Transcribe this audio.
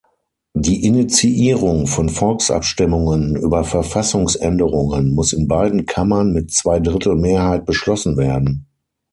Die Initiierung von Volksabstimmungen über Verfassungsänderungen muss in beiden Kammern mit Zweidrittelmehrheit beschlossen werden.